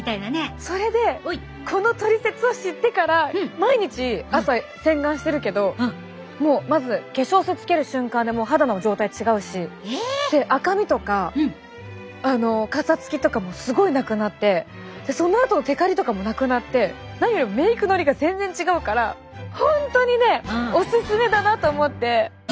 それでこのトリセツを知ってから毎日朝洗顔してるけどもうまず化粧水つける瞬間でもう肌の状態違うし赤みとかかさつきとかもすごいなくなってそのあとのてかりとかもなくなって何よりもメイクのりが全然違うから本当にねおすすめだなと思って。